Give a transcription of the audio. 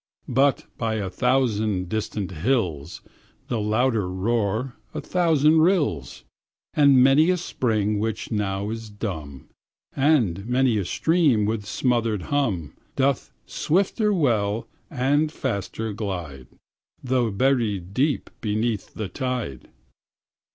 But by a thousand distant hills The louder roar a thousand rills, And many a spring which now is dumb, And many a stream with smothered hum, Doth swifter well and faster glide, Though buried deep beneath the tide.